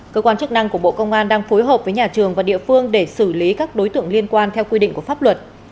cơ quan chức năng của bộ công an đang phối hợp với nhà trường và địa phương để xử lý các đối tượng liên quan theo quy định của pháp luật